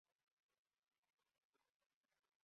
সেই ছিল তাঁর মহত্ত্ব।